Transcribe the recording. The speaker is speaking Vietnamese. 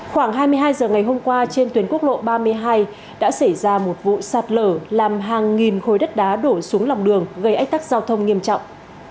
khoảng hai mươi hai h ngày hôm qua trên tuyến quốc lộ ba mươi hai đã xảy ra một vụ sạt lở làm hàng nghìn khối đất đá đổ xuống lòng đường gây ách tắc giao thông nghiêm trọng